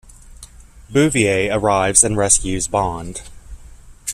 Bouvier arrives and rescues Bond.